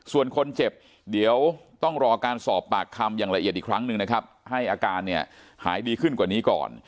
ส่วนคนเจ็บเดี๋ยวต้องรอการสอบปากคำอย่างละเอียดอีกครั้งหนึ่งนะครับให้อาการเนี่ยหายดีขึ้นกว่านี้ก่อน